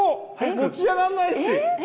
持ち上がんないし。